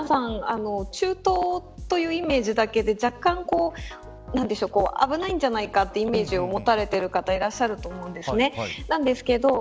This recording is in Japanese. おそらく皆さん中東というイメージだけで若干、危ないんじゃないかというイメージを持たれている方いらっしゃると思うんですね。